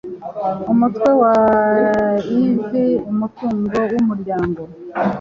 Umutwe wa IV Umutungo w umuryango